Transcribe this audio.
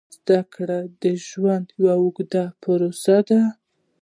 زده کړه د ژوند یوه اوږده پروسه ده.